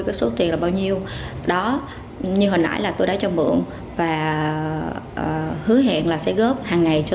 cái số tiền là bao nhiêu đó như hồi nãy là tôi đã cho mượn và hứa hẹn là sẽ góp hàng ngày cho